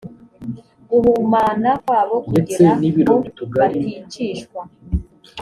guhumana kwabo kugira ngo baticishwa